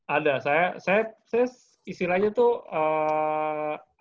ada saya istilahnya tuh